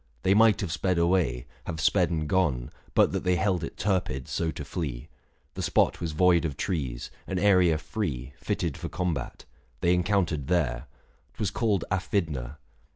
They might have sped away, have sped and gone, But that they held it turpid so to flee. The spot was void of trees, an area free, Fitted for combat — they encountered there : 810 'Twas called Aphidna.